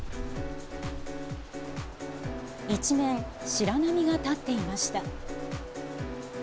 一面、白波が立っていました。